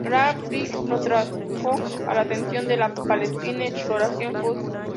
Gladys Dickson lo trajo a la atención de la Palestine Exploration Fund.